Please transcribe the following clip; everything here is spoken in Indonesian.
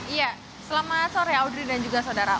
iya selamat sore audrey dan juga saudara